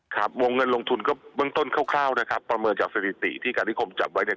ครับวงเงินลงทุนก็เบื้องต้นคร่าวนะครับประเมินจากสถิติที่การนิคมจับไว้เนี่ย